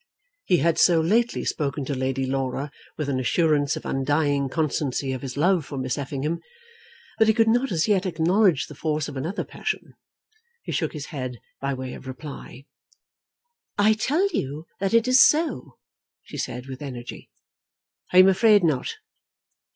He had so lately spoken to Lady Laura with an assurance of undying constancy of his love for Miss Effingham, that he could not as yet acknowledge the force of another passion. He shook his head by way of reply. "I tell you that it is so," she said with energy. "I am afraid not."